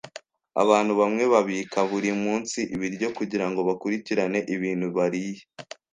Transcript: Abantu bamwe babika buri munsi ibiryo kugirango bakurikirane ibintu bariye.